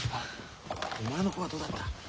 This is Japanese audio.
お前の方はどうだった？